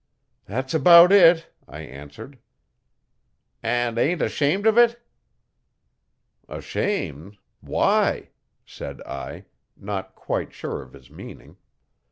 'That's about it,' I answered. 'And ain't ashamed of it? 'Ashamed! Why?' said I, not quite sure of his meaning.